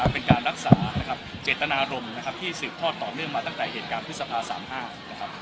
เป็นการรักษาเจตนารมที่สืบทอดต่อเนื่องมาตั้งแต่เหตุการณ์ปฤศพาสามห้า